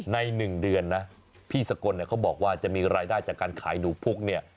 ใน๑เดือนนะพี่สกลเขาบอกว่าจะมีรายได้จากการขายหนูพุกเนี่ย